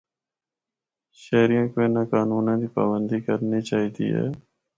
شہریاں کو اِناں قانوناں دی پابندی کرنی چاہی دی ہے۔